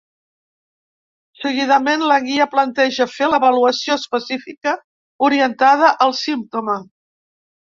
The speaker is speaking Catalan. Seguidament, la guia planteja fer l’avaluació específica orientada al símptoma.